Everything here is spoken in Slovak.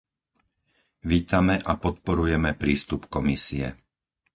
Vítame a podporujeme prístup Komisie.